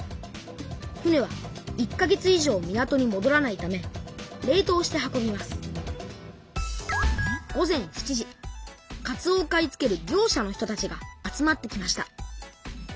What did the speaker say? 船は１か月以上港にもどらないため冷とうして運びますかつおを買い付ける業者の人たちが集まってきました。